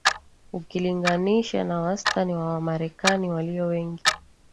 ukilinganisha na wastani wa Wamarekani walio wengi